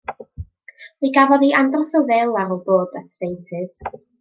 Mi gafodd hi andros o fil ar ôl ar bod at y deintydd.